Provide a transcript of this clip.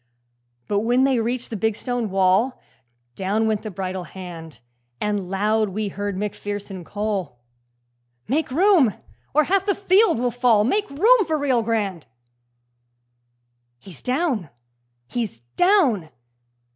But when they reached the big stone wall, Down went the bridle hand, And loud we heard Macpherson call, 'Make room, or half the field will fall! Make room for Rio Grande!' ..... 'He's down! he's down!'